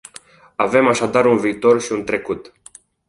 Avem așadar un viitor și un trecut.